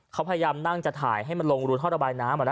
เขาพยายามนั่งจะถ่ายให้มันลงรูท่อระบายน้ำ